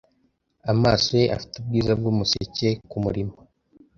amaso ye afite ubwiza bwumuseke kumurima